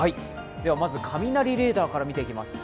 では、雷レーダーから見ていきます。